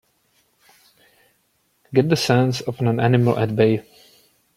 Get the sense of an animal at bay!